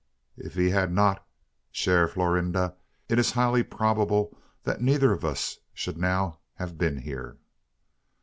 "If he had not, cher Florinde, it is highly probable neither of us should now have been here."